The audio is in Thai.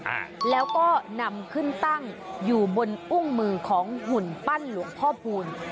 อ่าแล้วก็นำขึ้นตั้งอยู่บนอุ้งมือของหุ่นปั้นหลวงพ่อพูล